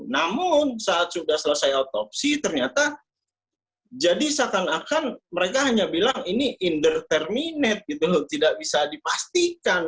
namun saat sudah selesai otopsi ternyata jadi seakan akan mereka hanya bilang ini indeterminate tidak bisa dipastikan